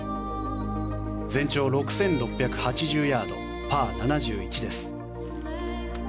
全長６６８０ヤードパー７１です。